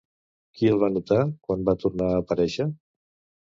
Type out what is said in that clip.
Qui el va notar quan va tornar a aparèixer?